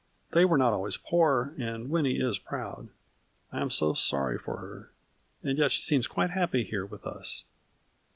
They were not always poor, and Winnie is proud. I am so sorry for her ; and yet she seems quite happy here with us."